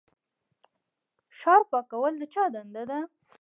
ښار پاکول د چا دنده ده؟